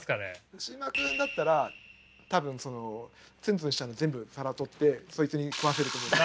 ウシジマくんだったら多分そのツンツンしたの全部皿取ってそいつに食わせると思うんです。